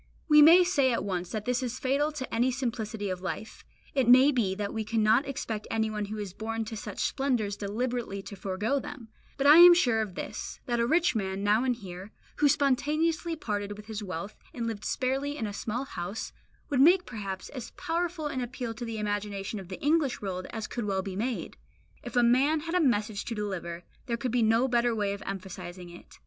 We may say at once that this is fatal to any simplicity of life; it may be that we cannot expect anyone who is born to such splendours deliberately to forego them; but I am sure of this, that a rich man, now and here, who spontaneously parted with his wealth, and lived sparely in a small house, would make perhaps as powerful an appeal to the imagination of the English world as could well be made. If a man had a message to deliver, there could be no better way of emphasizing it.